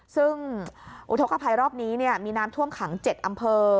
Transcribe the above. ซึ่งอุทธกภัยรอบนี้มีน้ำท่วมขัง๗อำเภอ